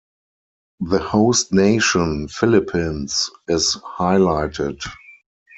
The host nation, Philippines, is highlighted.